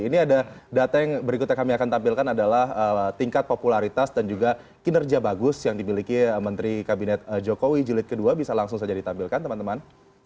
ini ada data yang berikutnya kami akan tampilkan adalah tingkat popularitas dan juga kinerja bagus yang dimiliki menteri kabinet jokowi jilid ii bisa langsung saja ditampilkan teman teman